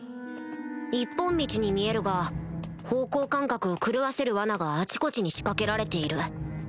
一本道に見えるが方向感覚を狂わせる罠があちこちに仕掛けられている